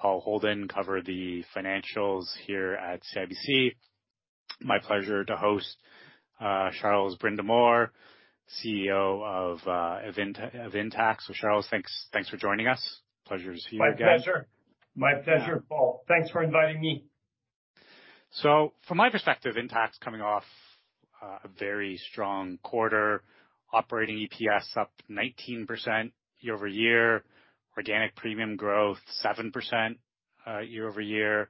Paul Holden, cover the financials here at CIBC. My pleasure to host, Charles Brindamour, CEO of Intact. Charles, thanks for joining us. Pleasure to see you again. My pleasure. My pleasure, Paul. Thanks for inviting me. From my perspective, Intact's coming off a very strong quarter, operating EPS up 19% year-over-year, organic premium growth 7% year-over-year,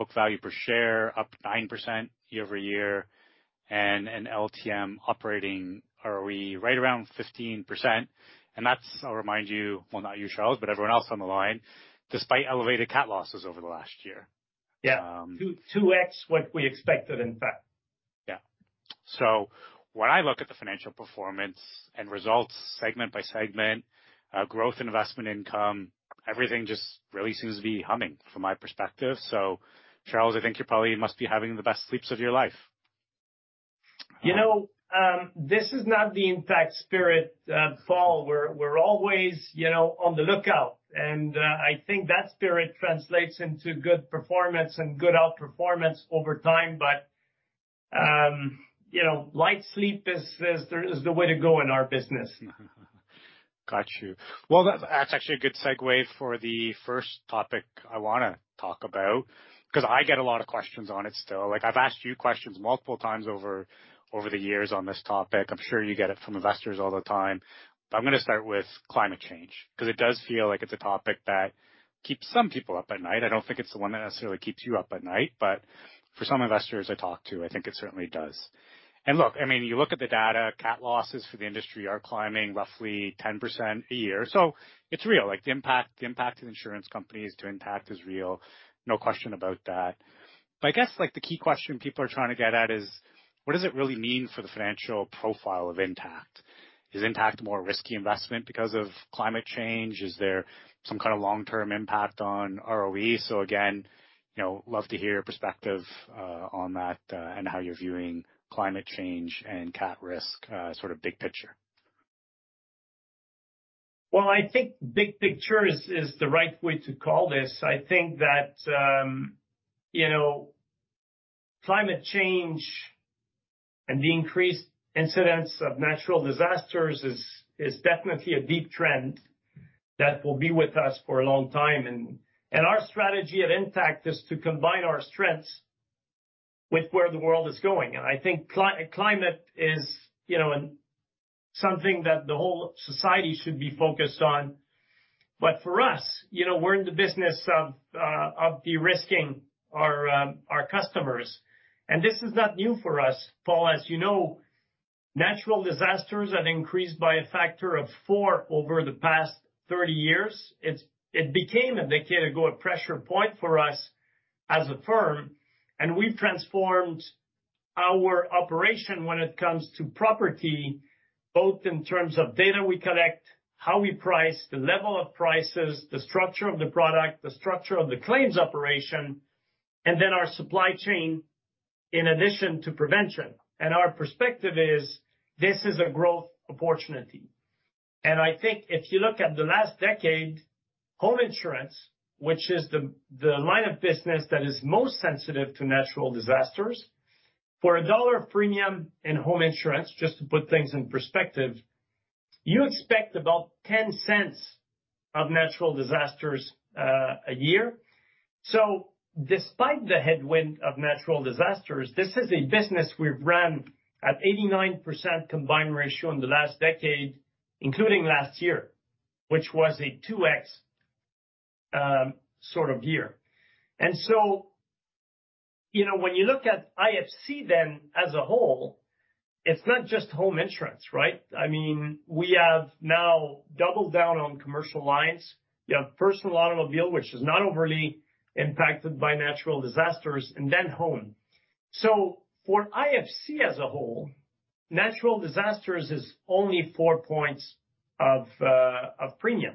book value per share up 9% year-over-year, and an LTM operating ROE right around 15%. That's, I'll remind you, well, not you, Charles, but everyone else on the line, despite elevated cat losses over the last year. Yeah. Um- 2x what we expected, in fact. When I look at the financial performance and results segment by segment, growth, investment income, everything just really seems to be humming, from my perspective. Charles, I think you probably must be having the best sleeps of your life. You know, this is not the Intact spirit, Paul. We're always, you know, on the lookout, and I think that spirit translates into good performance and good outperformance over time. You know, light sleep is the way to go in our business. Got you. Well, that's actually a good segue for the first topic I wanna talk about, 'cause I get a lot of questions on it still. Like, I've asked you questions multiple times over the years on this topic. I'm sure you get it from investors all the time. I'm gonna start with climate change, 'cause it does feel like it's a topic that keeps some people up at night. I don't think it's the one that necessarily keeps you up at night, but for some investors I talk to, I think it certainly does. Look, I mean, you look at the data, cat losses for the industry are climbing roughly 10% a year. It's real, like, the impact to insurance companies, to Intact is real. No question about that. I guess, like, the key question people are trying to get at is, what does it really mean for the financial profile of Intact? Is Intact a more risky investment because of climate change? Is there some kind of long-term impact on ROE? Again, you know, love to hear your perspective, on that, and how you're viewing climate change and cat risk, sort of big picture. I think big picture is the right way to call this. I think that, you know, climate change and the increased incidence of natural disasters is definitely a deep trend that will be with us for a long time, and our strategy at Intact is to combine our strengths with where the world is going. I think climate is, you know, something that the whole society should be focused on. For us, you know, we're in the business of de-risking our customers, and this is not new for us. Paul, as you know, natural disasters have increased by a factor of 4 over the past 30 years. It became a decade ago, a pressure point for us as a firm, and we've transformed our operation when it comes to property, both in terms of data we collect, how we price, the level of prices, the structure of the product, the structure of the claims operation, and then our supply chain, in addition to prevention. Our perspective is this is a growth opportunity. I think if you look at the last decade, home insurance, which is the line of business that is most sensitive to natural disasters, for CAD 1.00 of premium in home insurance, just to put things in perspective, you expect about 0.10 of natural disasters a year. Despite the headwind of natural disasters, this is a business we've ran at 89% combined ratio in the last decade, including last year, which was a 2x sort of year. You know, when you look at IFC as a whole, it's not just home insurance, right? I mean, we have now doubled down on commercial lines. You have personal automobile, which is not overly impacted by natural disasters, and then home. For IFC as a whole, natural disasters is only 4 points of premium.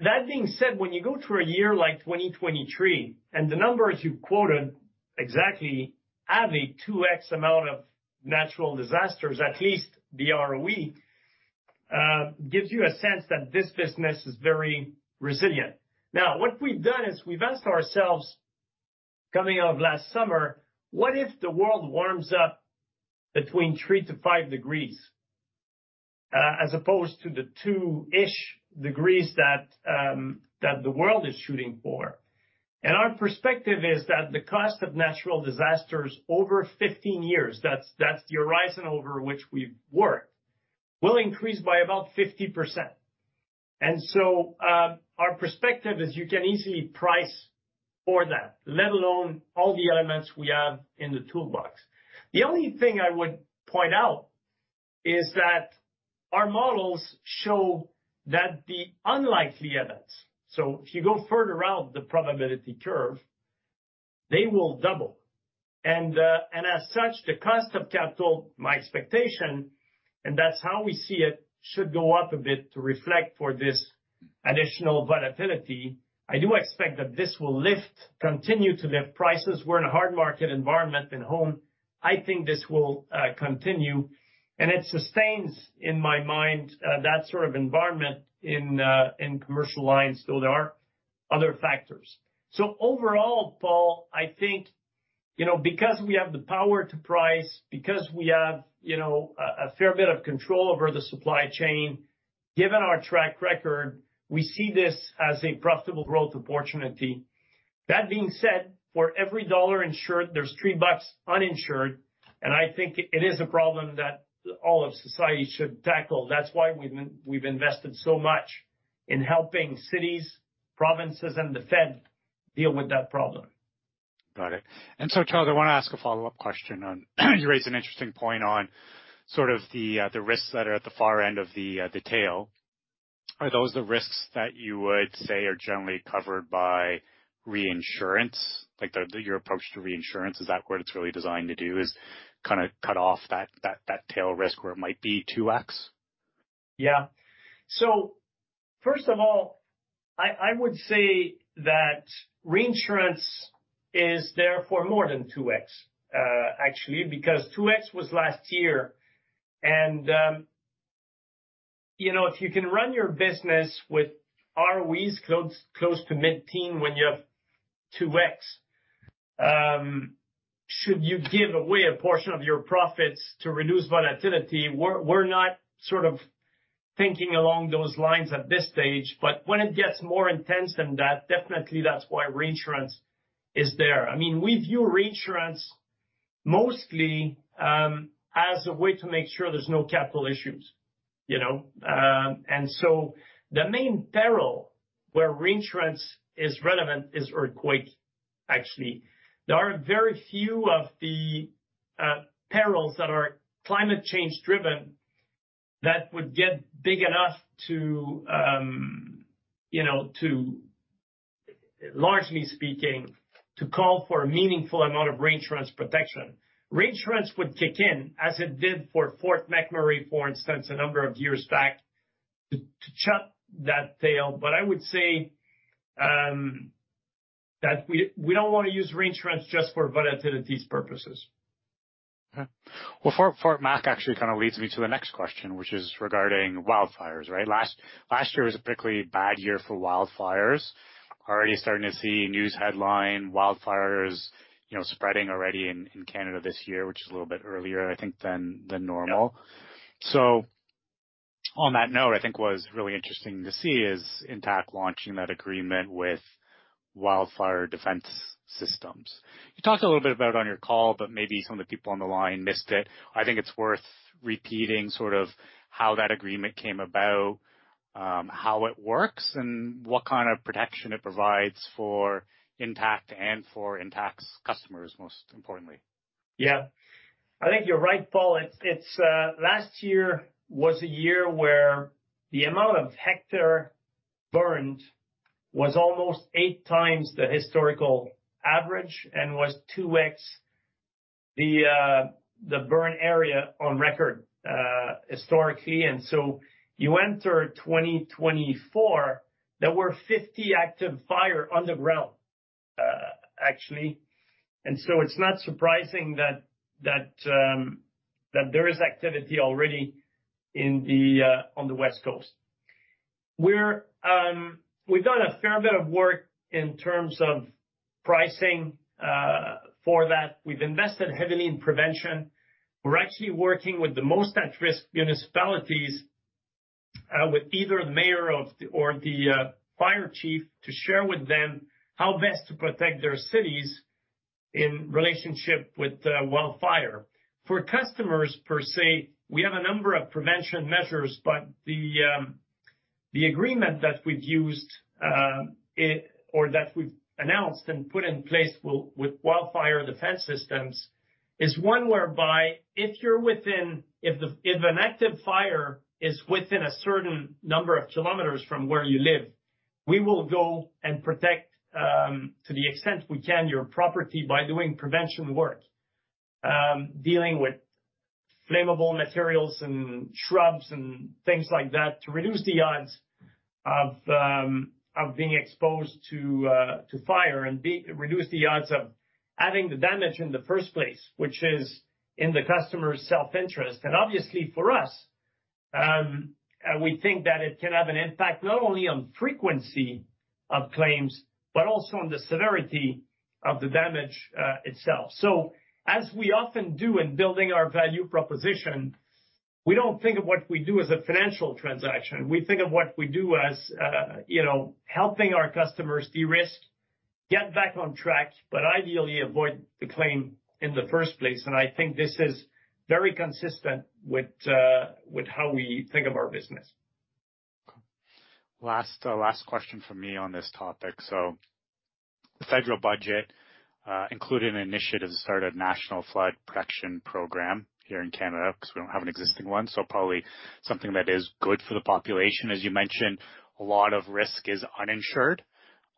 That being said, when you go through a year like 2023, and the numbers you quoted exactly, have a 2x amount of natural disasters, at least the ROE gives you a sense that this business is very resilient. What we've done is we've asked ourselves coming out of last summer: What if the world warms up between 3 to 5 degrees, as opposed to the 2-ish degrees that the world is shooting for? Our perspective is that the cost of natural disasters over 15 years, that's the horizon over which we've worked, will increase by about 50%. Our perspective is you can easily price for that, let alone all the elements we have in the toolbox. The only thing I would point out is that our models show that the unlikely events, so if you go further out the probability curve, they will double. As such, the cost of capital, my expectation, and that's how we see it, should go up a bit to reflect for this additional volatility. I do expect that this will lift, continue to lift prices. We're in a hard market environment than home. I think this will continue, and it sustains, in my mind, that sort of environment in commercial lines, though there are other factors. Overall, Paul, you know, because we have the power to price, because we have, you know, a fair bit of control over the supply chain, given our track record, we see this as a profitable growth opportunity. That being said, for every dollar insured, there's 3 bucks uninsured, and I think it is a problem that all of society should tackle. That's why we've invested so much in helping cities, provinces, and the Fed deal with that problem. Got it. Charles, I wanna ask a follow-up question on You raised an interesting point on sort of the risks that are at the far end of the tail. Are those the risks that you would say are generally covered by reinsurance? Like, your approach to reinsurance, is that what it's really designed to do, is kind of cut off that tail risk where it might be 2x? First of all, I would say that reinsurance is there for more than 2x, actually, because 2x was last year. you know, if you can run your business with ROEs close to mid-teen when you have 2x, should you give away a portion of your profits to reduce volatility? We're not sort of thinking along those lines at this stage, but when it gets more intense than that, definitely that's why reinsurance is there. I mean, we view reinsurance mostly, as a way to make sure there's no capital issues, you know. The main peril where reinsurance is relevant is earthquake, actually. There are very few of the perils that are climate change driven that would get big enough to, you know, to, largely speaking, to call for a meaningful amount of reinsurance protection. Reinsurance would kick in, as it did for Fort McMurray, for instance, a number of years back, to chop that tail. I would say that we don't wanna use reinsurance just for volatilities purposes. Okay. Well, Fort Mac actually kind of leads me to the next question, which is regarding wildfires, right? Last year was a particularly bad year for wildfires. Already starting to see news headline wildfires, you know, spreading already in Canada this year, which is a little bit earlier, I think, than normal. Yeah. On that note, I think what was really interesting to see is Intact launching that agreement with Wildfire Defense Systems. You talked a little bit about it on your call, but maybe some of the people on the line missed it. I think it's worth repeating sort of how that agreement came about, how it works, and what kind of protection it provides for Intact and for Intact's customers, most importantly. Yeah. I think you're right, Paul. It's last year was a year where the amount of hectare burned was almost 8 times the historical average and was 2x the burn area on record historically. You enter 2024, there were 50 active fire on the ground actually. It's not surprising that there is activity already in the on the West Coast. We've done a fair bit of work in terms of pricing for that. We've invested heavily in prevention. We're actually working with the most at-risk municipalities with either the mayor of the or the fire chief, to share with them how best to protect their cities in relationship with wildfire. For customers per se, we have a number of prevention measures, but the agreement that we've used, or that we've announced and put in place with Wildfire Defense Systems, is one whereby if an active fire is within a certain number of kilometers from where you live, we will go and protect to the extent we can, your property by doing prevention work. Dealing with flammable materials and shrubs and things like that, to reduce the odds of being exposed to fire and reduce the odds of having the damage in the first place, which is in the customer's self-interest. Obviously for us, we think that it can have an impact, not only on frequency of claims, but also on the severity of the damage itself. As we often do in building our value proposition, we don't think of what we do as a financial transaction. We think of what we do as, you know, helping our customers de-risk, get back on track, but ideally avoid the claim in the first place. I think this is very consistent with how we think of our business. Last question from me on this topic. The federal budget included an initiative to start a National Flood Protection Program here in Canada, because we don't have an existing one, so probably something that is good for the population. As you mentioned, a lot of risk is uninsured.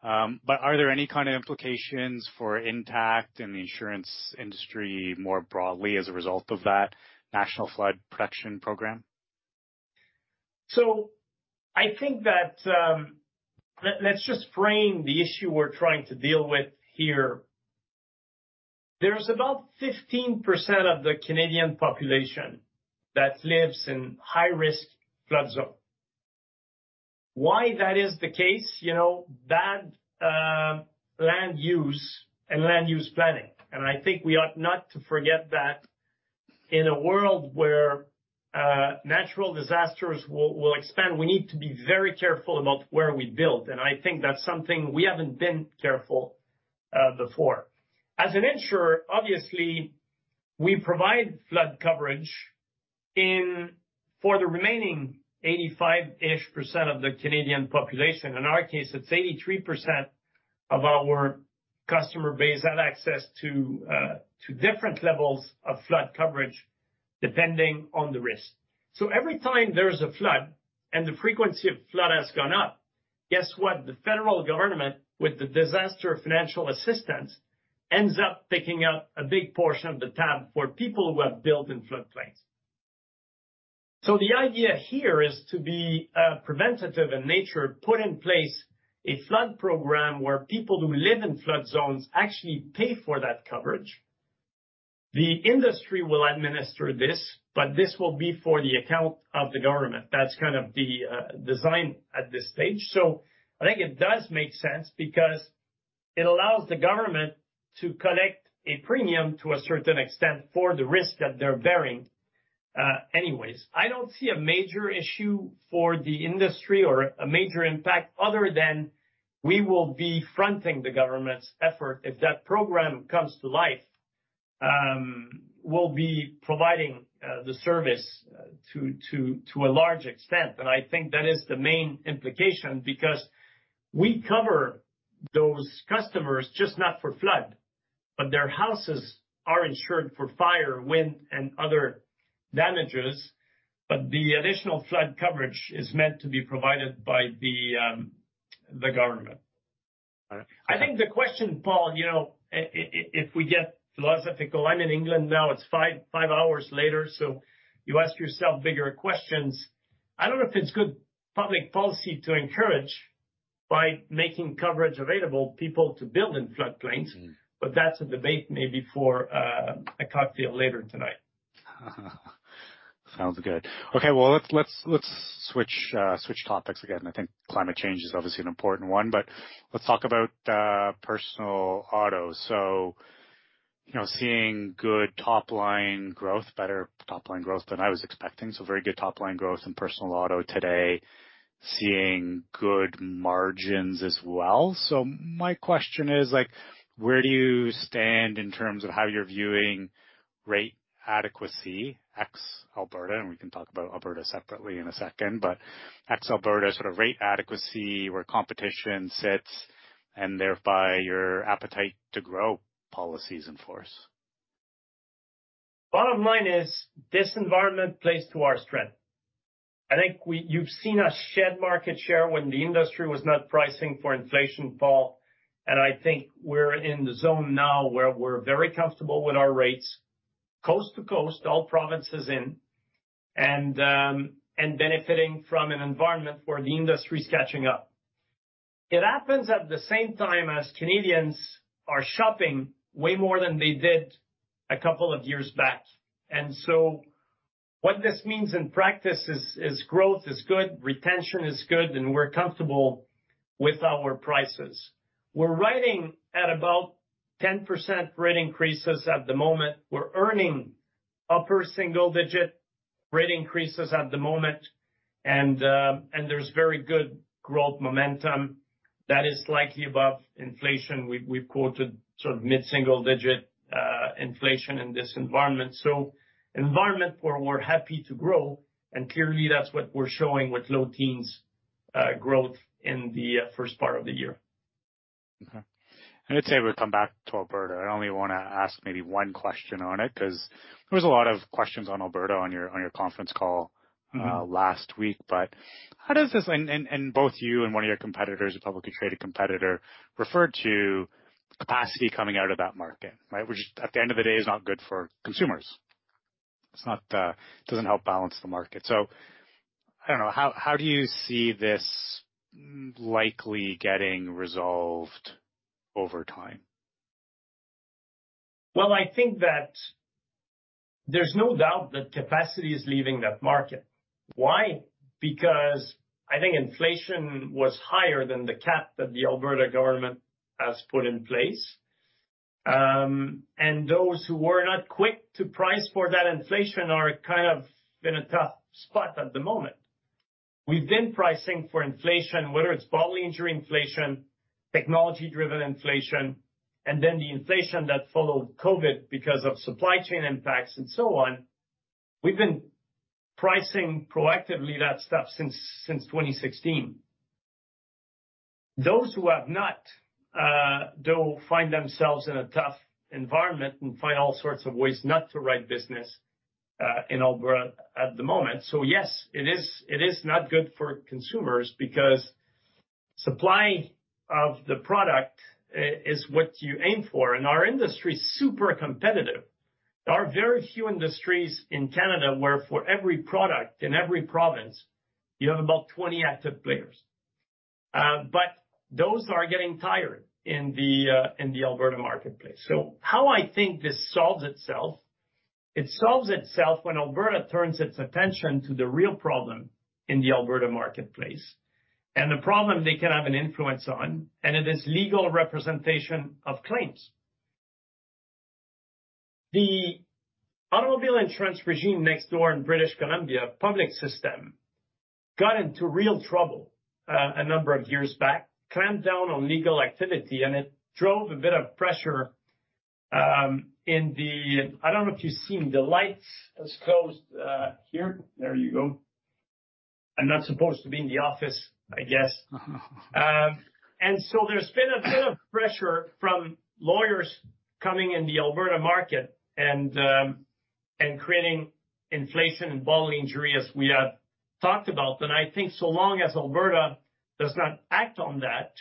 Are there any kind of implications for Intact and the insurance industry more broadly as a result of that National Flood Protection Program? I think that, let's just frame the issue we're trying to deal with here. There's about 15% of the Canadian population that lives in high-risk flood zone. Why that is the case? You know, bad, land use and land use planning. I think we ought not to forget that in a world where natural disasters will expand, we need to be very careful about where we build. I think that's something we haven't been careful before. As an insurer, obviously, we provide flood coverage for the remaining 85%-ish of the Canadian population. In our case, it's 83% of our customer base have access to different levels of flood coverage, depending on the risk. Every time there's a flood, and the frequency of flood has gone up, guess what? The federal government, with the Disaster Financial Assistance, ends up picking up a big portion of the tab for people who have built in floodplains. The idea here is to be preventative in nature, put in place a flood program where people who live in flood zones actually pay for that coverage. The industry will administer this, but this will be for the account of the government. That's kind of the design at this stage. I think it does make sense because it allows the government to collect a premium to a certain extent, for the risk that they're bearing. Anyways, I don't see a major issue for the industry or a major impact other than we will be fronting the government's effort. If that program comes to life, we'll be providing the service to a large extent, and I think that is the main implication, because we cover those customers, just not for flood, but their houses are insured for fire, wind and other damages. The additional flood coverage is meant to be provided by the government. I think the question, Paul, you know, if we get philosophical, I'm in England now, it's 5 hours later, you ask yourself bigger questions. I don't know if it's good public policy to encourage by making coverage available, people to build in floodplains. Mm-hmm. That's a debate maybe for, a cocktail later tonight. Sounds good. Okay, well, let's switch topics again. I think climate change is obviously an important one, but let's talk about personal auto. You know, seeing good top line growth, better top line growth than I was expecting. Very good top line growth in personal auto today. Seeing good margins as well. My question is, like, where do you stand in terms of how you're viewing rate adequacy, ex Alberta, and we can talk about Alberta separately in a second, but ex Alberta, sort of rate adequacy, where competition sits and thereby your appetite to grow policies in force? Bottom line is, this environment plays to our strength. I think you've seen us shed market share when the industry was not pricing for inflation, Paul, and I think we're in the zone now where we're very comfortable with our rates, coast to coast, all provinces in, and benefiting from an environment where the industry's catching up. It happens at the same time as Canadians are shopping way more than they did a couple of years back. What this means in practice is growth is good, retention is good, and we're comfortable with our prices. We're riding at about 10% rate increases at the moment. We're earning upper single-digit rate increases at the moment, and there's very good growth momentum that is slightly above inflation. We've quoted sort of mid-single-digit inflation in this environment. Environment where we're happy to grow, and clearly that's what we're showing with low teens, growth in the first part of the year. Mm-hmm. I'd say we'll come back to Alberta. I only wanna ask maybe one question on it, 'cause there was a lot of questions on Alberta on your, on your conference call. Mm-hmm. last week. Both you and one of your competitors, a publicly traded competitor, referred to capacity coming out of that market, right? Which at the end of the day, is not good for consumers. It's not, doesn't help balance the market. I don't know, how do you see this likely getting resolved over time? Well, I think that there's no doubt that capacity is leaving that market. Why? Because I think inflation was higher than the cap that the Alberta government has put in place. Those who were not quick to price for that inflation are kind of in a tough spot at the moment. We've been pricing for inflation, whether it's bodily injury inflation, technology-driven inflation, and then the inflation that followed Covid because of supply chain impacts and so on. We've been pricing proactively that stuff since 2016. Those who have not, they'll find themselves in a tough environment and find all sorts of ways not to write business in Alberta at the moment. Yes, it is not good for consumers because supply of the product is what you aim for, and our industry is super competitive. There are very few industries in Canada where for every product, in every province, you have about 20 active players. Those are getting tired in the Alberta marketplace. How I think this solves itself, it solves itself when Alberta turns its attention to the real problem in the Alberta marketplace and the problem they can have an influence on, and it is legal representation of claims. The automobile insurance regime next door in British Columbia, public system, got into real trouble a number of years back, clamped down on legal activity, and it drove a bit of pressure. I don't know if you've seen the lights as close here. There you go. I'm not supposed to be in the office, I guess. There's been a bit of pressure from lawyers coming in the Alberta market and creating inflation and bodily injury, as we have talked about. I think so long as Alberta does not act on that,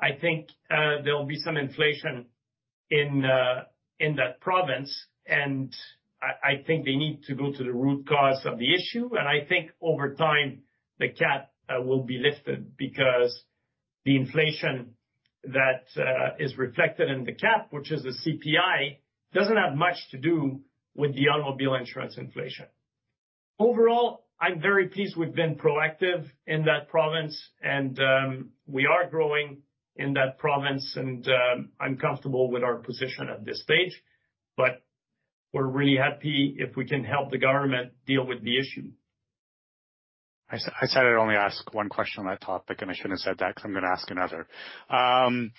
I think there'll be some inflation in that province, and I think they need to go to the root cause of the issue. I think over time, the cap will be lifted because the inflation that is reflected in the cap, which is the CPI, doesn't have much to do with the automobile insurance inflation. Overall, I'm very pleased we've been proactive in that province, and we are growing in that province, and I'm comfortable with our position at this stage, but we're really happy if we can help the government deal with the issue. I said I'd only ask one question on that topic, and I shouldn't have said that, because I'm gonna ask another.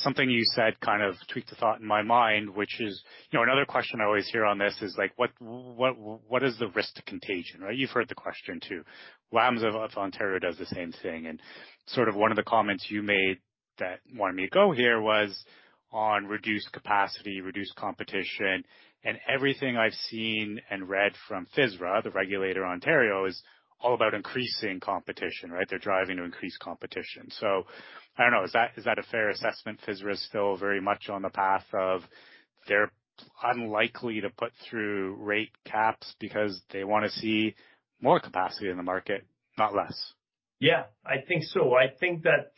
Something you said kind of tweaked a thought in my mind, which is, you know, another question I always hear on this is like, what is the risk to contagion, right? You've heard the question too. WAMS of Ontario does the same thing, and sort of one of the comments you made that wanted me to go here was on reduced capacity, reduced competition, and everything I've seen and read from FSRA, the regulator in Ontario, is all about increasing competition, right? They're driving to increase competition. I don't know, is that a fair assessment? FSRA is still very much on the path of they're unlikely to put through rate caps because they wanna see more capacity in the market, not less. Yeah, I think so. I think that,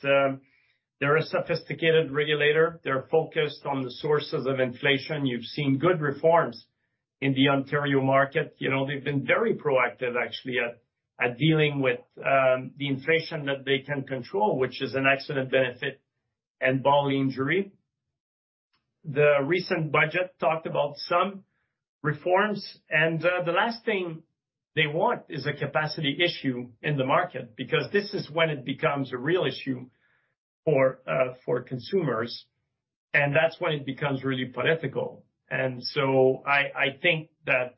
they're a sophisticated regulator. They're focused on the sources of inflation. You've seen good reforms in the Ontario market. You know, they've been very proactive, actually, at dealing with the inflation that they can control, which is an accident benefit and bodily injury. The recent budget talked about some reforms. The last thing they want is a capacity issue in the market, because this is when it becomes a real issue for consumers, and that's when it becomes really political. I think that,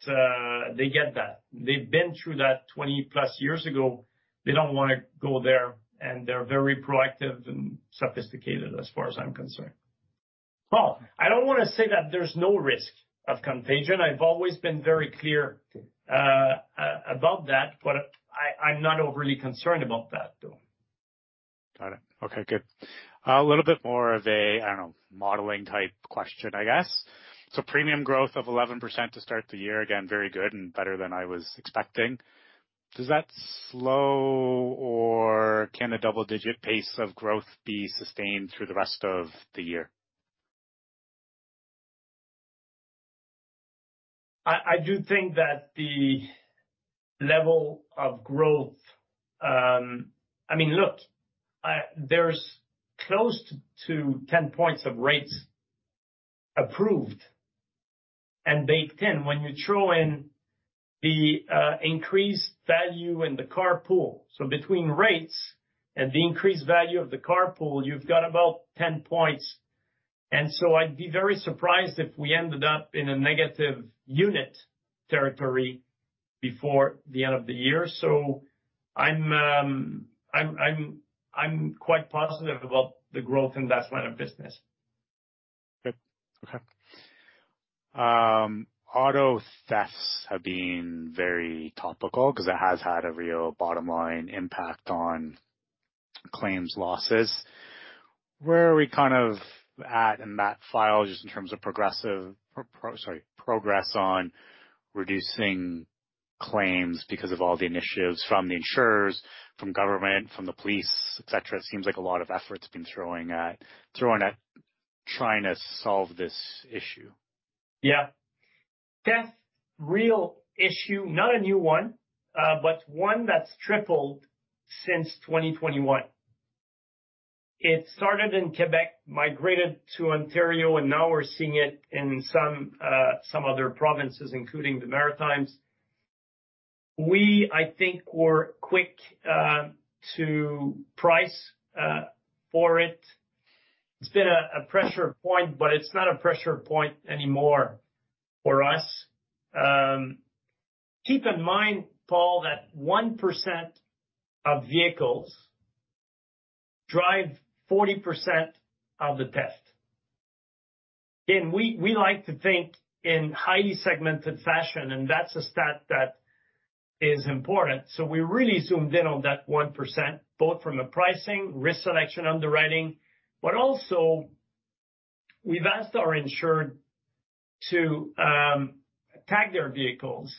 they get that. They've been through that 20-plus years ago. They don't wanna go there, and they're very proactive and sophisticated, as far as I'm concerned. Well, I don't wanna say that there's no risk of contagion. I've always been very clear about that, but I'm not overly concerned about that, though. Got it. Okay, good. A little bit more of a, I don't know, modeling type question, I guess. Premium growth of 11% to start the year, again, very good and better than I was expecting. Does that slow, or can a double-digit pace of growth be sustained through the rest of the year? I do think that the level of growth, I mean, look, there's close to 10 points of rates approved and baked in when you throw in the increased value in the car pool. Between rates and the increased value of the car pool, you've got about 10 points, I'd be very surprised if we ended up in a negative unit territory before the end of the year. I'm quite positive about the growth in that line of business. Good. Okay. Auto thefts have been very topical because it has had a real bottom line impact on claims losses. Where are we kind of at in that file, just in terms of progressive progress on reducing claims because of all the initiatives from the insurers, from government, from the police, et cetera? It seems like a lot of effort's been thrown at trying to solve this issue. Yeah. Theft, real issue, not a new one, but one that's tripled since 2021. It started in Quebec, migrated to Ontario, now we're seeing it in some other provinces, including the Maritimes. We, I think, were quick to price for it. It's been a pressure point, but it's not a pressure point anymore for us. Keep in mind, Paul, that 1% of vehicles drive 40% of the theft. Again, we like to think in highly segmented fashion, and that's a stat that is important. We really zoomed in on that 1%, both from a pricing, risk selection, underwriting. We've asked our insured to tag their vehicles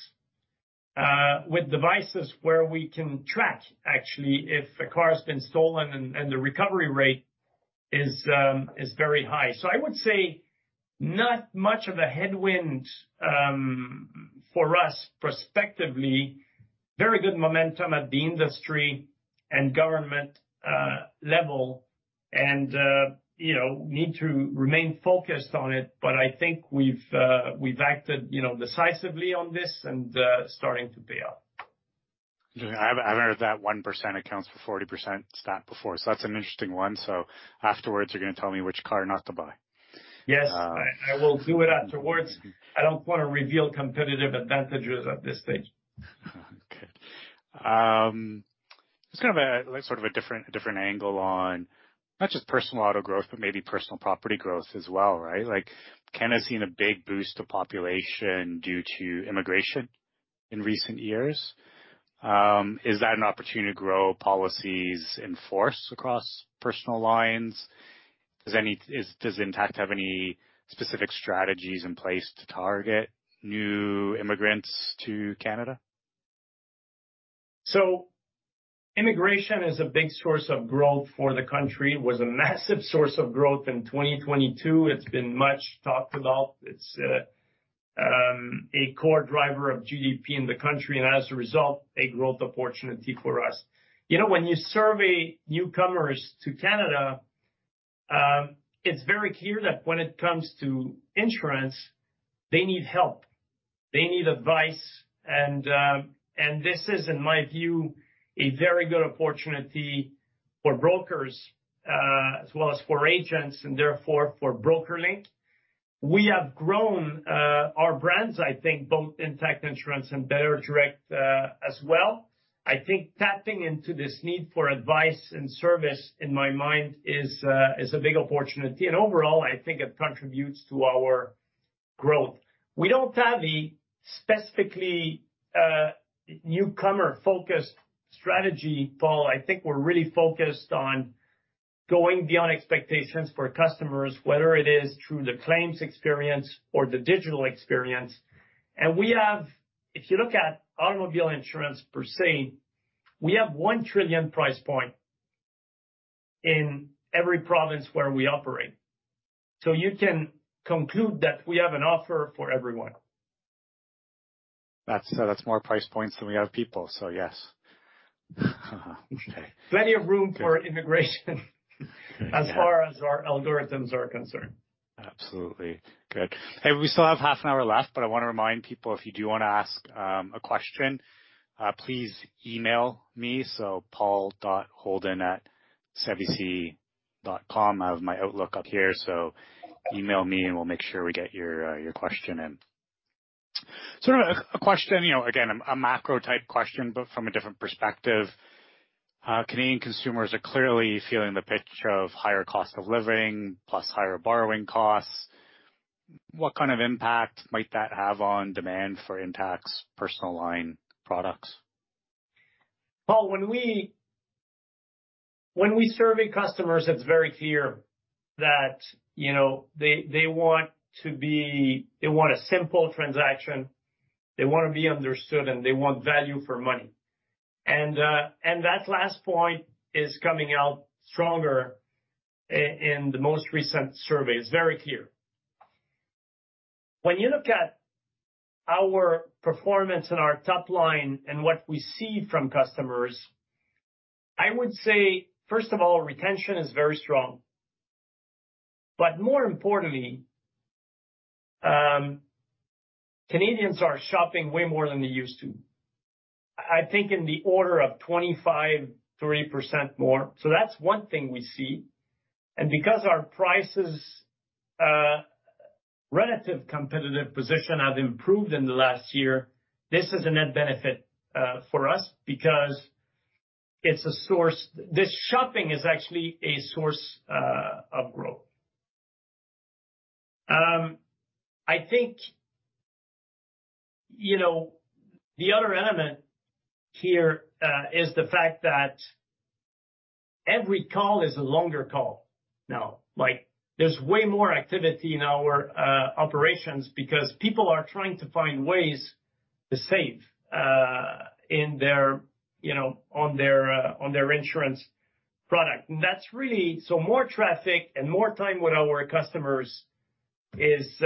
with devices where we can track, actually, if a car has been stolen, and the recovery rate is very high. I would say not much of a headwind, for us prospectively, very good momentum at the industry and government level and, you know, need to remain focused on it. I think we've acted, you know, decisively on this and, starting to pay off. I've heard that 1% accounts for 40% stat before, so that's an interesting one. Afterwards, you're gonna tell me which car not to buy. Yes, I will do it afterwards. I don't wanna reveal competitive advantages at this stage. Okay. Just kind of a, like, sort of a different angle on not just personal auto growth, but maybe personal property growth as well, right? Like, Canada's seen a big boost to population due to immigration in recent years. Is that an opportunity to grow policies in force across personal lines? Does Intact have any specific strategies in place to target new immigrants to Canada? Immigration is a big source of growth for the country. It was a massive source of growth in 2022. It's been much talked about. It's a core driver of GDP in the country, and as a result, a growth opportunity for us. You know, when you survey newcomers to Canada, it's very clear that when it comes to insurance, they need help, they need advice, and this is, in my view, a very good opportunity for brokers, as well as for agents and therefore for BrokerLink. We have grown our brands, I think, both Intact Insurance and belairdirect as well. I think tapping into this need for advice and service, in my mind, is a big opportunity, and overall, I think it contributes to our growth. We don't have a specifically newcomer-focused strategy, Paul. I think we're really focused on going beyond expectations for customers, whether it is through the claims experience or the digital experience. If you look at automobile insurance per se, we have 1 trillion price point in every province where we operate, so you can conclude that we have an offer for everyone. That's more price points than we have people, so yes. Okay. Plenty of room for immigration, as far as our algorithms are concerned. Absolutely. Good. Hey, we still have half an hour left, but I want to remind people, if you do want to ask a question, please email me. Paul.holden@cibc.com. I have my Outlook up here, so email me, and we'll make sure we get your question in. A question, you know, again, a macro-type question, but from a different perspective, Canadian consumers are clearly feeling the pinch of higher cost of living plus higher borrowing costs. What kind of impact might that have on demand for Intact's personal line products? Paul, when we survey customers, it's very clear that, you know, they want a simple transaction, they wanna be understood, and they want value for money. That last point is coming out stronger in the most recent survey. It's very clear. When you look at our performance and our top line and what we see from customers, I would say, first of all, retention is very strong, but more importantly, Canadians are shopping way more than they used to. I think in the order of 25%, 30% more. That's one thing we see. Because our prices, relative competitive position have improved in the last year, this is a net benefit for us because it's a source. This shopping is actually a source of growth. I think, you know, the other element here, is the fact that every call is a longer call now. Like, there's way more activity in our operations because people are trying to find ways to save, in their, you know, on their, on their insurance product. More traffic and more time with our customers is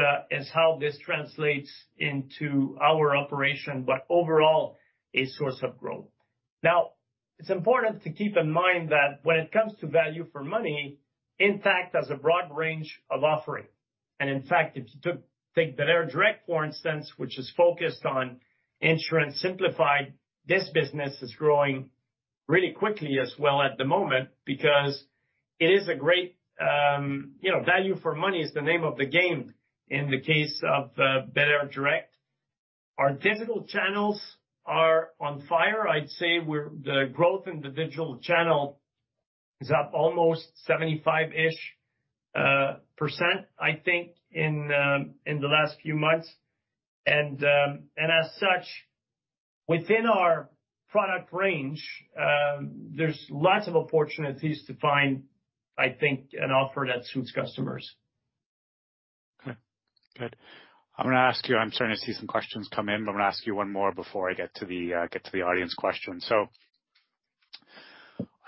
how this translates into our operation, but overall, a source of growth. It's important to keep in mind that when it comes to value for money, Intact has a broad range of offering. In fact, if you take belairdirect, for instance, which is focused on insurance simplified, this business is growing really quickly as well at the moment, because it is a great, you know, value for money is the name of the game in the case of belairdirect. Our digital channels are on fire. I'd say the growth in the digital channel is up almost 75-ish%, I think, in the last few months. As such, within our product range, there's lots of opportunities to find, I think, an offer that suits customers. Okay, good. I'm gonna ask you, I'm starting to see some questions come in, but I'm gonna ask you one more before I get to the audience question.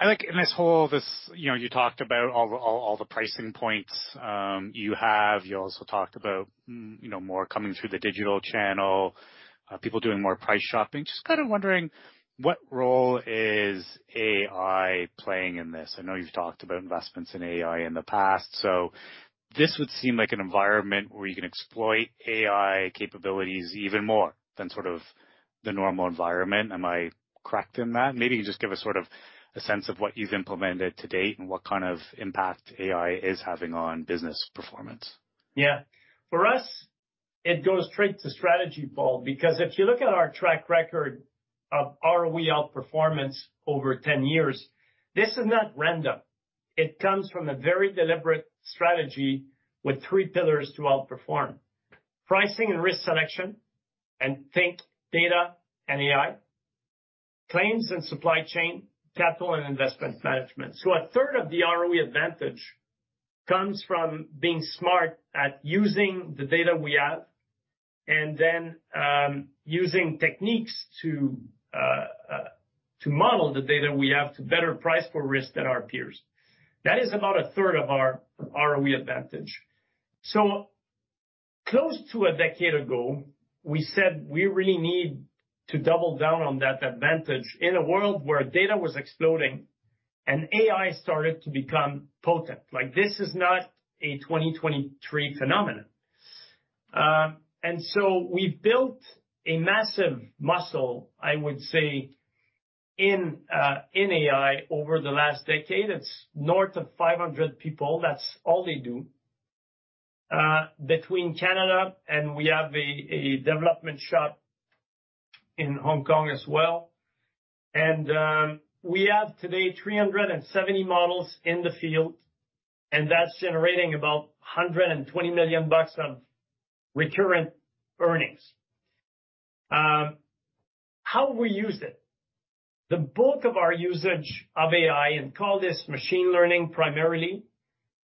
I think in this whole, this, you know, you talked about all the pricing points you have. You also talked about, you know, more coming through the digital channel, people doing more price shopping. Just kind of wondering, what role is AI playing in this? I know you've talked about investments in AI in the past, so this would seem like an environment where you can exploit AI capabilities even more than sort of the normal environment. Am I correct in that? Maybe you just give a sort of a sense of what you've implemented to date and what kind of impact AI is having on business performance. For us, it goes straight to strategy, Paul, because if you look at our track record of ROE outperformance over 10 years, this is not random. It comes from a very deliberate strategy with 3 pillars to outperform: pricing and risk selection, and think data and AI, claims and supply chain, capital and investment management. A third of the ROE advantage comes from being smart at using the data we have and then using techniques to model the data we have to better price for risk than our peers. That is about a third of our ROE advantage. Close to a decade ago, we said we really need to double down on that advantage in a world where data was exploding and AI started to become potent. This is not a 2023 phenomenon. We've built a massive muscle, I would say, in AI over the last decade. It's north of 500 people. That's all they do, between Canada, and we have a development shop in Hong Kong as well. We have today 370 models in the field, and that's generating about 120 million bucks of recurrent earnings. How we used it? The bulk of our usage of AI, and call this machine learning primarily,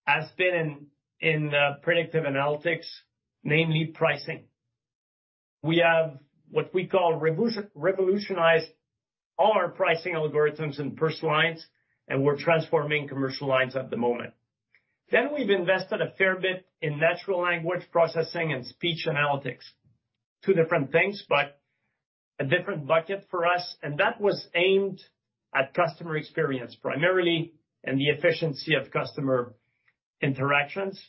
has been in predictive analytics, namely pricing. We have what we call revolutionized all our pricing algorithms in personal lines, and we're transforming commercial lines at the moment. We've invested a fair bit in natural language processing and speech analytics. Two different things, but a different bucket for us, and that was aimed at customer experience primarily, and the efficiency of customer interactions.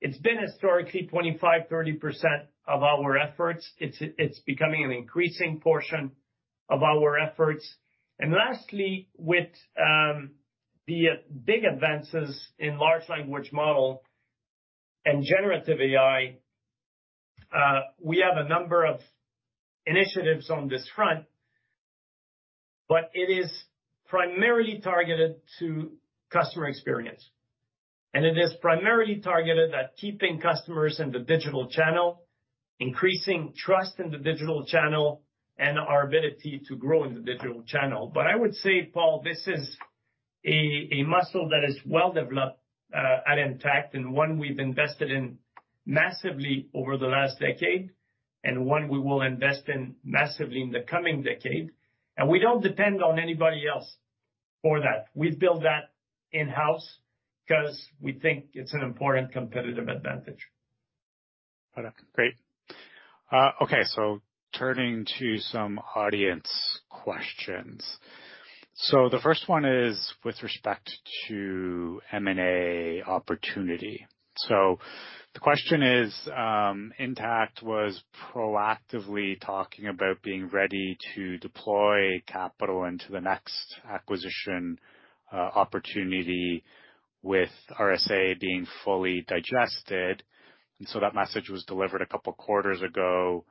It's been historically 25%, 30% of our efforts. It's becoming an increasing portion of our efforts. Lastly, with the big advances in large language model and generative AI, we have a number of initiatives on this front, but it is primarily targeted to customer experience, and it is primarily targeted at keeping customers in the digital channel, increasing trust in the digital channel and our ability to grow in the digital channel. I would say, Paul, this is a muscle that is well developed, at Intact, and one we've invested in massively over the last decade, and one we will invest in massively in the coming decade. We don't depend on anybody else for that. We've built that in-house, 'cause we think it's an important competitive advantage. Okay, great. Turning to some audience questions. The first one is with respect to M&A opportunity. The question is, Intact was proactively talking about being ready to deploy capital into the next acquisition opportunity with RSA being fully digested, and so that message was delivered a couple quarters ago.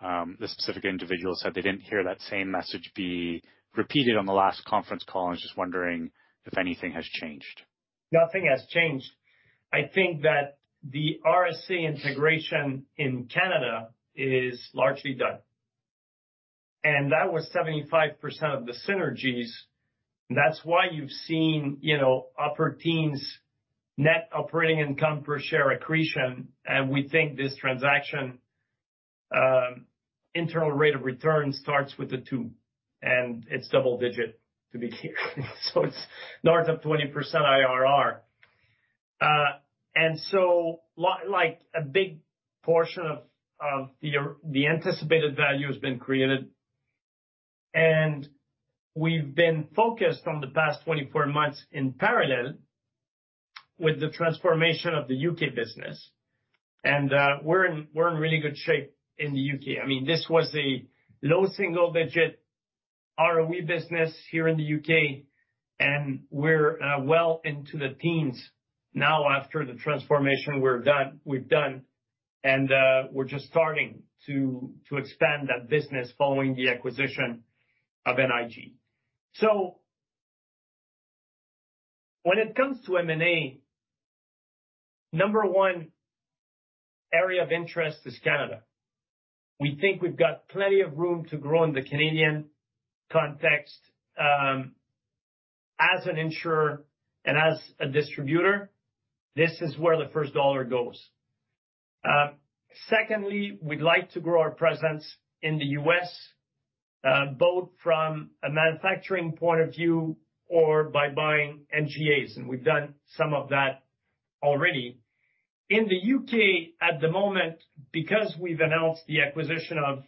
The specific individual said they didn't hear that same message be repeated on the last conference call, and just wondering if anything has changed. Nothing has changed. I think that the RSA integration in Canada is largely done, and that was 75% of the synergies. That's why you've seen, you know, upper teens Net Operating Income Per Share accretion. We think this transaction, internal rate of return starts with a 2, and it's double-digit, to be clear. It's north of 20% IRR. Like, a big portion of the anticipated value has been created, and we've been focused on the past 24 months in parallel with the transformation of the UK business. We're in really good shape in the UK. I mean, this was a low single-digit ROE business here in the UK, and we're well into the teens now after the transformation we've done. We're just starting to expand that business following the acquisition of NIG. When it comes to M&A, number one area of interest is Canada. We think we've got plenty of room to grow in the Canadian context, as an insurer and as a distributor. This is where the first dollar goes. Secondly, we'd like to grow our presence in the US, both from a manufacturing point of view or by buying NGAs, and we've done some of that already. In the UK, at the moment, because we've announced the acquisition of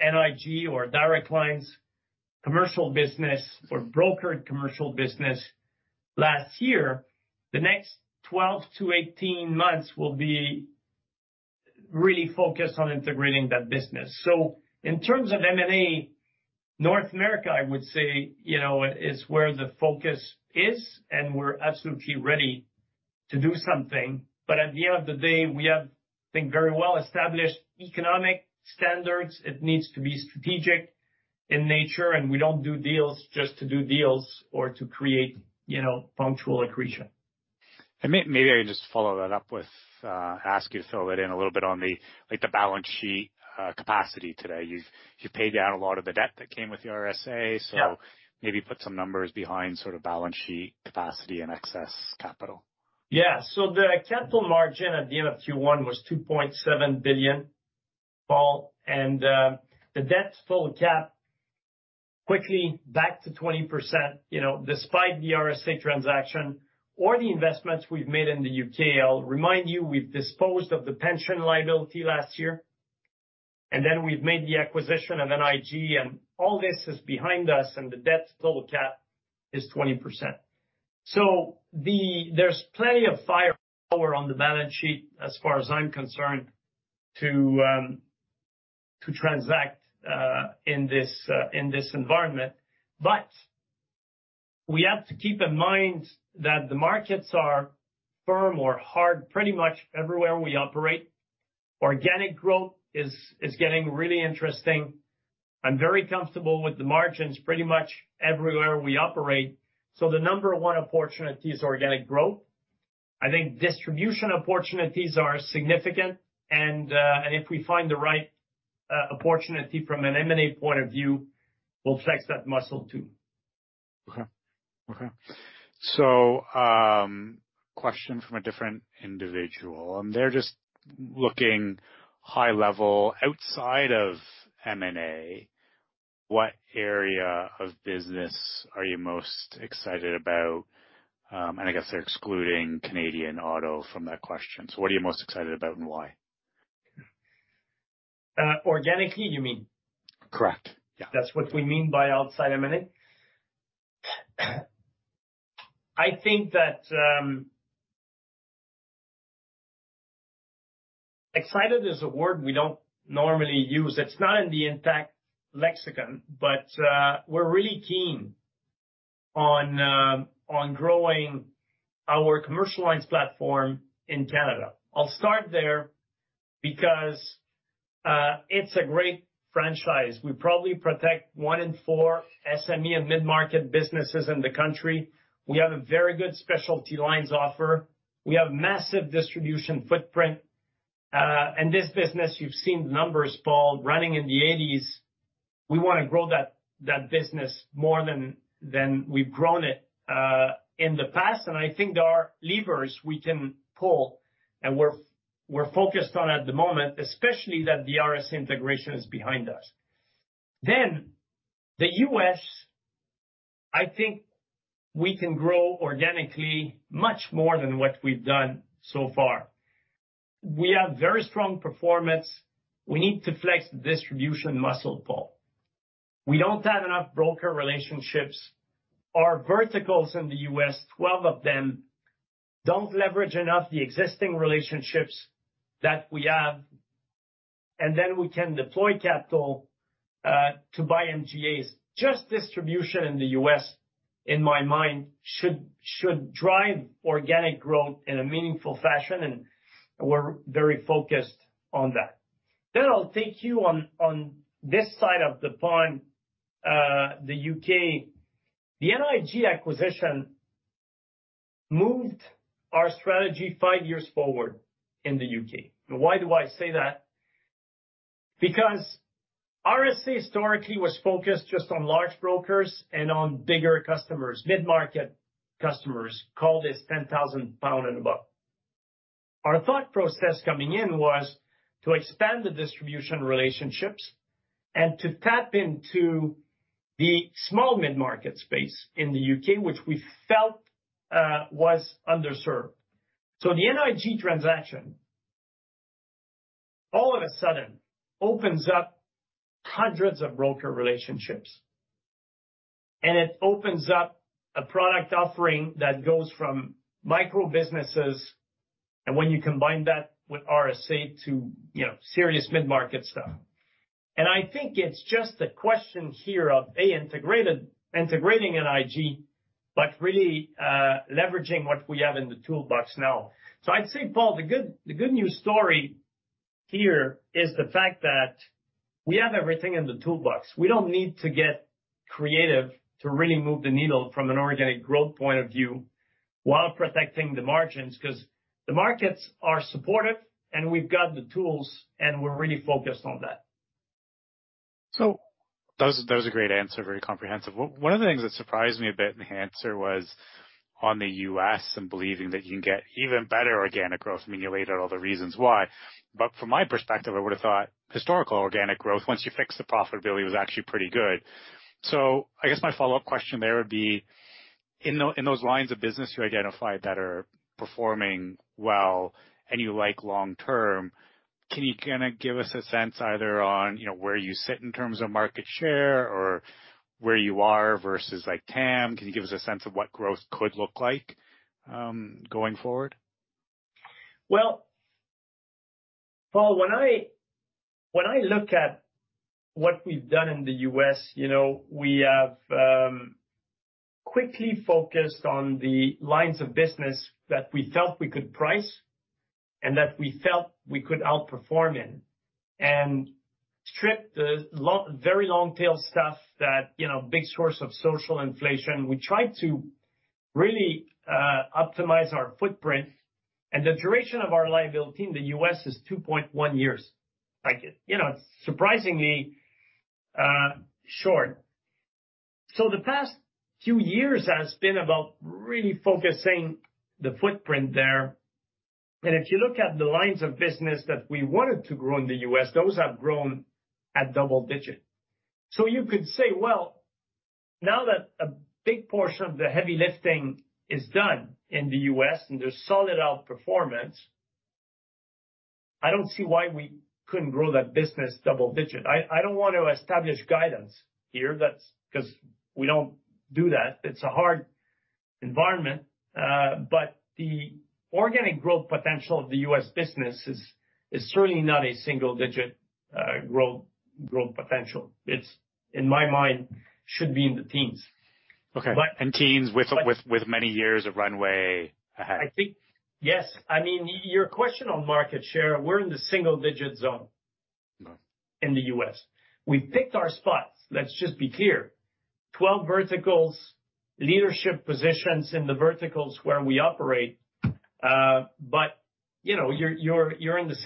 NIG or Direct Line's commercial business or brokered commercial business last year, the next 12 to 18 months will be really focused on integrating that business. In terms of M&A, North America, I would say, you know, is where the focus is, and we're absolutely ready to do something. At the end of the day, we have, I think, very well-established economic standards. It needs to be strategic in nature, and we don't do deals just to do deals or to create, you know, punctual accretion. Maybe I just follow that up with, ask you to fill it in a little bit on the, like, the balance sheet, capacity today. You've paid down a lot of the debt that came with the RSA. Yeah. Maybe put some numbers behind sort of balance sheet capacity and excess capital. The capital margin at the end of Q1 was 2.7 billion, Paul, the debt to total cap quickly back to 20%, you know, despite the RSA transaction or the investments we've made in the U.K. I'll remind you, we've disposed of the pension liability last year, we've made the acquisition of NIG, all this is behind us, the debt total cap is 20%. There's plenty of firepower on the balance sheet, as far as I'm concerned, to transact in this environment. We have to keep in mind that the markets are firm or hard pretty much everywhere we operate. Organic growth is getting really interesting. I'm very comfortable with the margins pretty much everywhere we operate, the number 1 opportunity is organic growth. I think distribution opportunities are significant, and if we find the right opportunity from an M&A point of view, we'll flex that muscle too. Okay. Okay. Question from a different individual, and they're just looking high level. Outside of M&A, what area of business are you most excited about? I guess they're excluding Canadian Auto from that question. What are you most excited about and why? Organically, you mean? Correct. Yeah. That's what we mean by outside M&A? I think that, excited is a word we don't normally use. It's not in the Intact lexicon, but we're really keen on growing our commercial lines platform in Canada. I'll start there because it's a great franchise. We probably protect 1 in 4 SME and mid-market businesses in the country. We have a very good specialty lines offer. We have massive distribution footprint, and this business, you've seen the numbers, Paul, running in the eighties. We want to grow that business more than we've grown it in the past. I think there are levers we can pull, and we're focused on at the moment, especially that the RS integration is behind us. The US, I think we can grow organically much more than what we've done so far. We have very strong performance. We need to flex the distribution muscle, Paul. We don't have enough broker relationships. Our verticals in the US, 12 of them, don't leverage enough the existing relationships that we have, and then we can deploy capital to buy NGAs. Just distribution in the US, in my mind, should drive organic growth in a meaningful fashion, and we're very focused on that. Then I'll take you on this side of the pond, the UK. The NIG acquisition moved our strategy five years forward in the UK. Why do I say that? Because RSA historically was focused just on large brokers and on bigger customers. Mid-market customers call this 10,000 pound and above. Our thought process coming in was to expand the distribution relationships and to tap into the small mid-market space in the UK, which we felt was underserved. The NIG transaction, all of a sudden, opens up hundreds of broker relationships, and it opens up a product offering that goes from micro businesses, and when you combine that with RSA, to, you know, serious mid-market stuff. I think it's just a question here of, A, integrating NIG, but really leveraging what we have in the toolbox now. I'd say, Paul, the good news story here is the fact that we have everything in the toolbox. We don't need to get creative to really move the needle from an organic growth point of view while protecting the margins, because the markets are supportive, and we've got the tools, and we're really focused on that. That was a great answer, very comprehensive. One of the things that surprised me a bit in the answer was on the US and believing that you can get even better organic growth. I mean, you laid out all the reasons why, but from my perspective, I would have thought historical organic growth, once you fixed the profitability, was actually pretty good. I guess my follow-up question there would be, in those lines of business you identified that are performing well and you like long term, can you kinda give us a sense either on, you know, where you sit in terms of market share or where you are versus, like, TAM? Can you give us a sense of what growth could look like going forward? Well, Paul, when I look at what we've done in the U.S., you know, we have quickly focused on the lines of business that we felt we could price and that we felt we could outperform in, and stripped the very long tail stuff that, you know, big source of social inflation. We tried to really optimize our footprint, and the duration of our liability in the U.S. is 2.1 years. Like, you know, it's surprisingly short. The past few years has been about really focusing the footprint there, and if you look at the lines of business that we wanted to grow in the U.S., those have grown at double digit. You could say, well, now that a big portion of the heavy lifting is done in the U.S., and there's solid outperformance, I don't see why we couldn't grow that business double-digit. I don't want to establish guidance here, that's because we don't do that. It's a hard environment, but the organic growth potential of the U.S. business is certainly not a single-digit, growth potential. It, in my mind, should be in the teens. Okay. But- Teens with many years of runway ahead. I think. Yes. I mean, your question on market share, we're in the single digit zone. Mm-hmm. -in the US. We've picked our spots, let's just be clear. 12 verticals, leadership positions in the verticals where we operate, you know, you're in the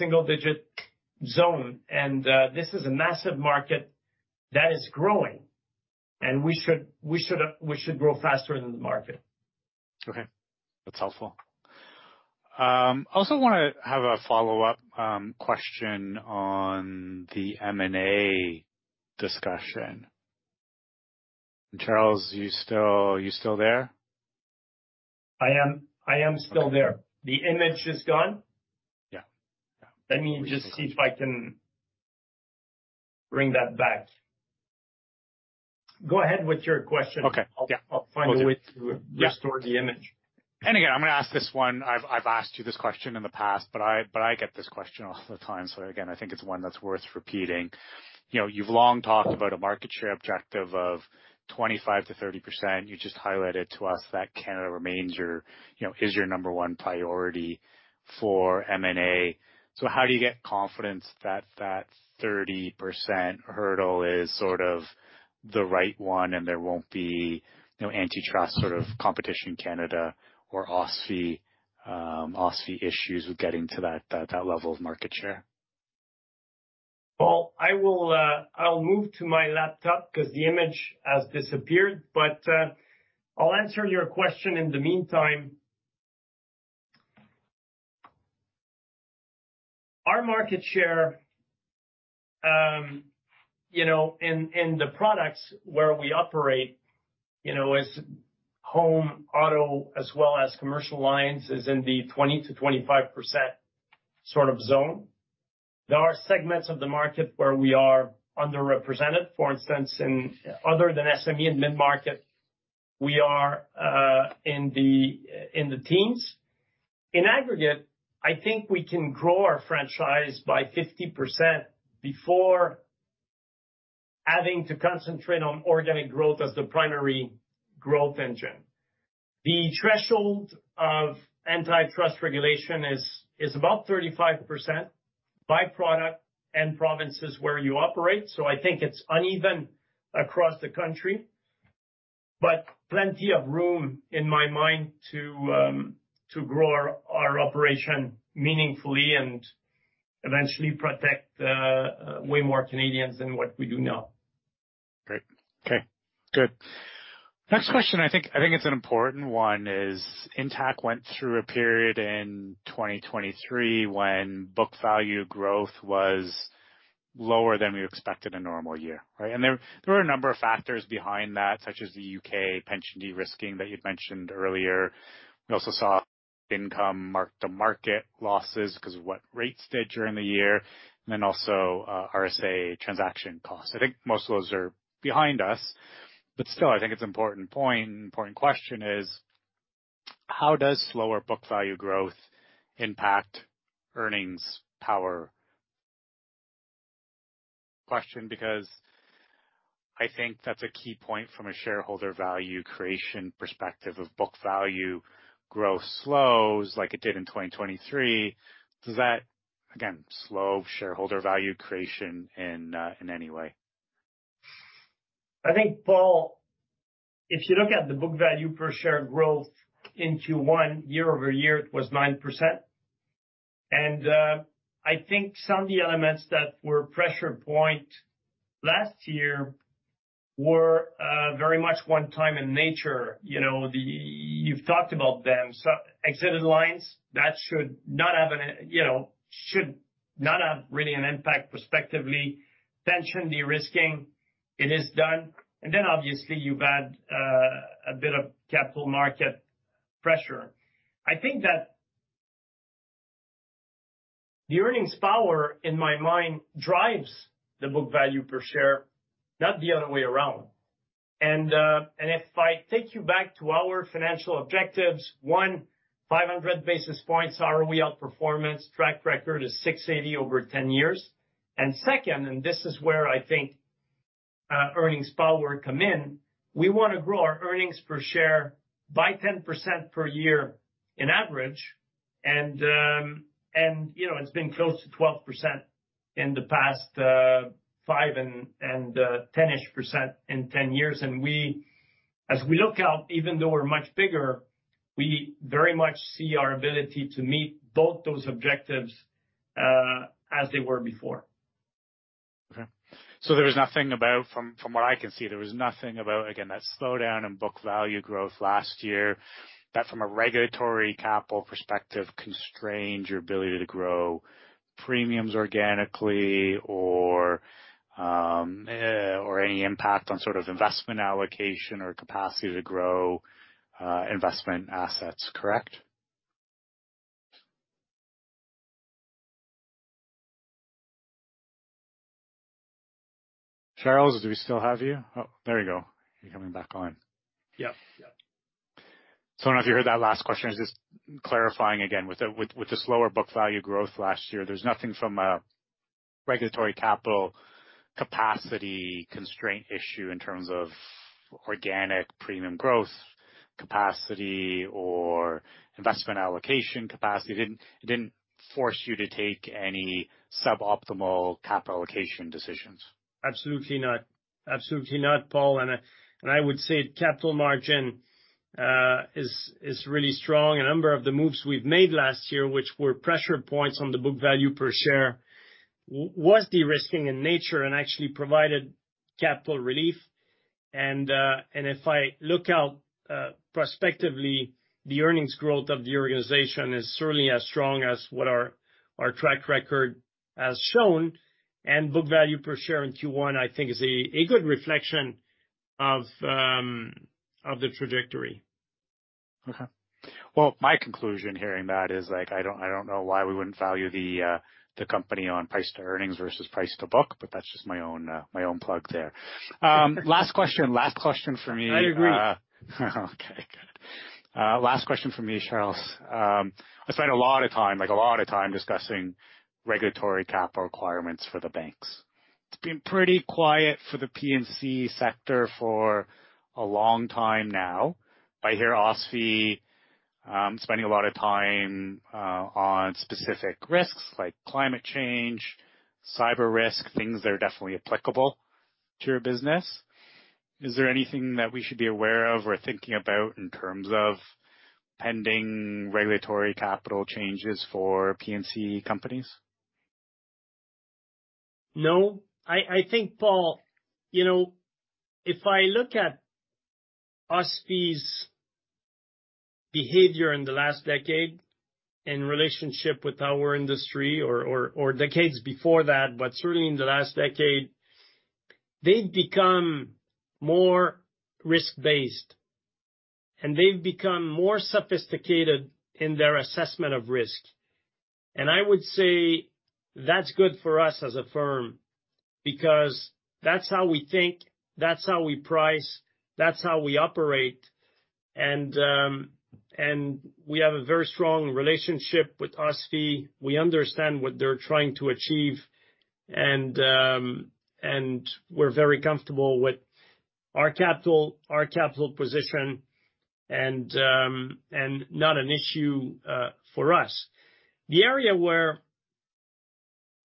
single-digit zone. This is a massive market that is growing. We should grow faster than the market. Okay. That's helpful. I also wanna have a follow-up question on the M&A discussion. Charles, you still there? I am still there. Okay. The image is gone? Yeah. Yeah. Let me just see if I can bring that back. Go ahead with your question. Okay, yeah. I'll find a way. Yeah. restore the image. Again, I'm going to ask this one. I've asked you this question in the past, but I get this question all the time, again, I think it's one that's worth repeating. You know, you've long talked about a market share objective of 25%-30%. You just highlighted to us that Canada remains your, you know, is your number 1 priority for M&A. How do you get confidence that that 30% hurdle is sort of the right one, and there won't be no antitrust sort of competition in Canada or OSFI issues with getting to that level of market share? Well, I will, I'll move to my laptop because the image has disappeared, but, I'll answer your question in the meantime. Our market share, you know, in the products where we operate, you know, is home, auto, as well as commercial lines, is in the 20%-25% sort of zone. There are segments of the market where we are underrepresented. For instance, in other than SME and mid-market, we are, in the, in the teens. In aggregate, I think we can grow our franchise by 50% before having to concentrate on organic growth as the primary growth engine. The threshold of antitrust regulation is about 35% by product and provinces where you operate, so I think it's uneven across the country, but plenty of room, in my mind, to grow our operation meaningfully and eventually protect way more Canadians than what we do now. Great. Okay, good. Next question, I think it's an important one, is Intact went through a period in 2023 when book value growth was lower than we expected a normal year, right? There were a number of factors behind that, such as the UK pension de-risking that you'd mentioned earlier. We also saw income mark-to-market losses because of what rates did during the year, also, RSA transaction costs. I think most of those are behind us, but still, I think it's an important point and important question is: How does slower book value growth impact earnings power? Question, because I think that's a key point from a shareholder value creation perspective of book value. Growth slows like it did in 2023. Does that, again, slow shareholder value creation in any way? I think, Paul, if you look at the book value per share growth into year-over-year, it was 9%. I think some of the elements that were pressure point last year were very much one time in nature. You know, you've talked about them. Exited lines, that should not have, you know, really an impact prospectively. Tension, de-risking, it is done. Obviously, you've had a bit of capital market pressure. I think that the earnings power, in my mind, drives the book value per share, not the other way around. If I take you back to our financial objectives, 500 basis points are we outperformance. Track record is 680 over 10 years. Second, and this is where I think, earnings power come in, we wanna grow our earnings per share by 10% per year in average. You know, it's been close to 12% in the past, 5 and, 10%-ish in 10 years. As we look out, even though we're much bigger, we very much see our ability to meet both those objectives as they were before. There was nothing about. From what I can see, there was nothing about, again, that slowdown in book value growth last year, that from a regulatory capital perspective, constrained your ability to grow premiums organically or any impact on sort of investment allocation or capacity to grow investment assets, correct? Charles, do we still have you? There you go. You're coming back on. Yep. Yep. I don't know if you heard that last question. Just clarifying again, with the slower book value growth last year, there's nothing from a regulatory capital capacity constraint issue in terms of organic premium growth, capacity or investment allocation capacity. It didn't force you to take any suboptimal capital allocation decisions? Absolutely not. Absolutely not, Paul. I would say capital margin is really strong. A number of the moves we've made last year, which were pressure points on the book value per share, was de-risking in nature and actually provided capital relief. If I look out prospectively, the earnings growth of the organization is certainly as strong as what our track record has shown, and book value per share in Q1, I think, is a good reflection of the trajectory. Okay. Well, my conclusion hearing that is like, I don't know why we wouldn't value the company on price to earnings versus price to book. That's just my own, my own plug there. Last question for me. I agree. Okay, good. Last question for me, Charles. I find a lot of time, like a lot of time, discussing regulatory capital requirements for the banks. It's been pretty quiet for the P&C sector for a long time now. I hear OSFI spending a lot of time on specific risks like climate change, cyber risk, things that are definitely applicable to your business. Is there anything that we should be aware of or thinking about in terms of pending regulatory capital changes for P&C companies? No. I think, Paul, you know, if I look at OSFI's behavior in the last decade in relationship with our industry or decades before that, certainly in the last decade, they've become more risk-based, they've become more sophisticated in their assessment of risk. I would say that's good for us as a firm, because that's how we think, that's how we price, that's how we operate. We have a very strong relationship with OSFI. We understand what they're trying to achieve, we're very comfortable with our capital position, not an issue for us. The area where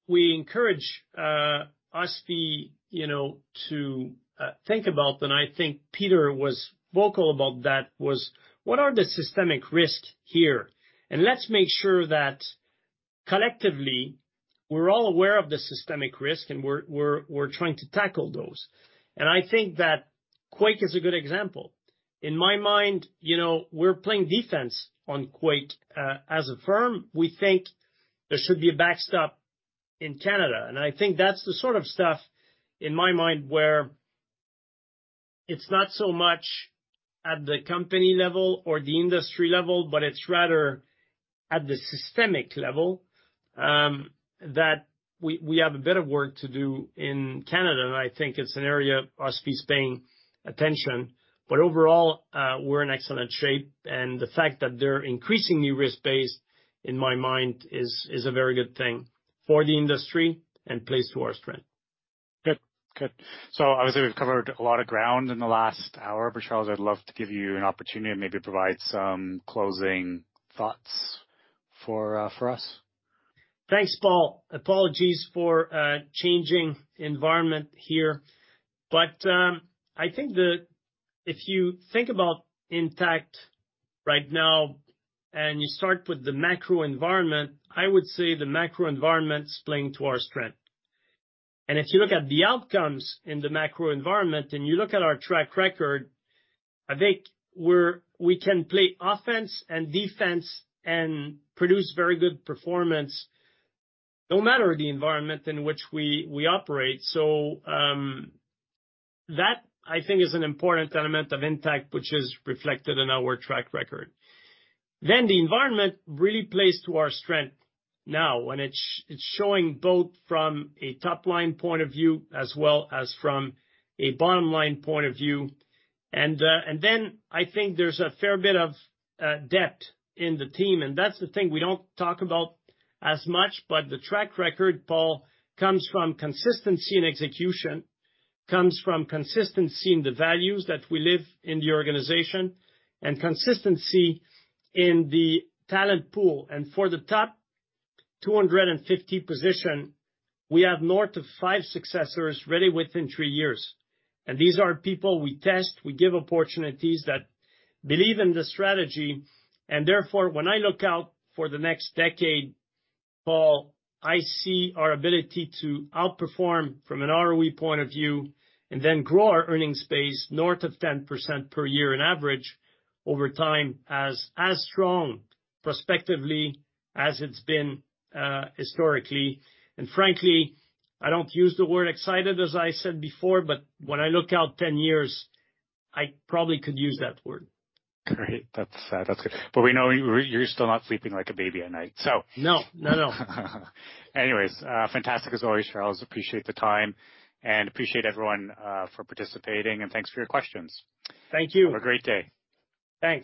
we encourage OSFI, you know, to think about, I think Peter was vocal about that, was: What are the systemic risks here? Let's make sure that collectively, we're all aware of the systemic risk, and we're trying to tackle those. I think that quake is a good example. In my mind, you know, we're playing defense on quake. As a firm, we think there should be a backstop in Canada, and I think that's the sort of stuff, in my mind, where it's not so much at the company level or the industry level, but it's rather at the systemic level, that we have a bit of work to do in Canada. I think it's an area OSFI is paying attention. Overall, we're in excellent shape, and the fact that they're increasingly risk-based, in my mind, is a very good thing for the industry and plays to our strength. Good. Obviously, we've covered a lot of ground in the last hour, Charles, I'd love to give you an opportunity to maybe provide some closing thoughts for us. Thanks, Paul. Apologies for changing environment here, but I think if you think about Intact right now, you start with the macro environment, I would say the macro environment's playing to our strength. If you look at the outcomes in the macro environment, and you look at our track record, I think we can play offense and defense and produce very good performance, no matter the environment in which we operate. That, I think, is an important element of Intact, which is reflected in our track record. The environment really plays to our strength now, when it's showing both from a top-line point of view as well as from a bottom-line point of view. Then I think there's a fair bit of depth in the team, and that's the thing we don't talk about as much. The track record, Paul, comes from consistency in execution, comes from consistency in the values that we live in the organization, and consistency in the talent pool. For the top 250 position, we have north of five successors ready within three years. These are people we test, we give opportunities that believe in the strategy, and therefore, when I look out for the next decade, Paul, I see our ability to outperform from an ROE point of view and then grow our earnings base north of 10% per year on average over time as strong prospectively as it's been historically. frankly, I don't use the word excited, as I said before, but when I look out 10 years, I probably could use that word. Great. That's good. We know you're still not sleeping like a baby at night. No. No, no. Anyways, fantastic as always, Charles. Appreciate the time and appreciate everyone, for participating, and thanks for your questions. Thank you. Have a great day. Thanks.